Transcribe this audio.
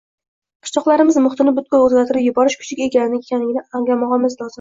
qishloqlarimiz muhitini butkul o‘zgartirib yuborish kuchiga ega ekanini anglamog‘imiz lozim.